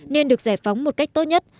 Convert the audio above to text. nên được giải phóng một cách tốt nhất